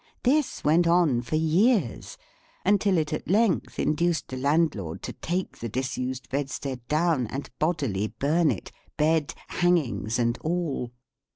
This went on for years, until it at length induced the landlord to take the disused bedstead down, and bodily burn it, bed, hangings, and all.